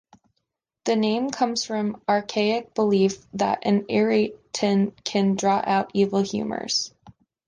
The name comes from archaic belief that an irritant can "draw out" evil humors.